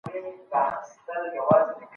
دا زموږ سرمايه ده.